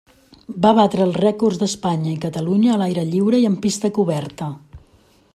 Va batre els rècords d'Espanya i Catalunya a l'aire lliure i en pista coberta.